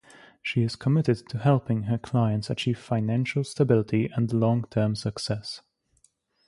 She is committed to helping her clients achieve financial stability and long-term success.